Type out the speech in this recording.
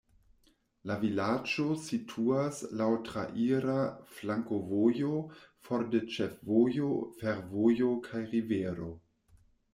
La vilaĝo situas laŭ traira flankovojo for de ĉefvojo, fervojo kaj rivero.